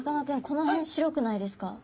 この辺白くないですか？